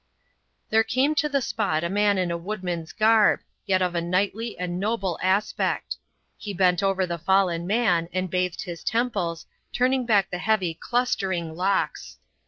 There came to the spot a man in a woodman's garb, yet of a knightly and noble aspect. He bent over the fallen man, and bathed his temples, turning back the heavy, clustering locks.